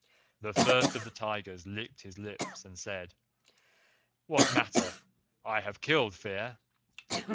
The First of the Tigers licked his lips and said: 'What matter? I have killed Fear.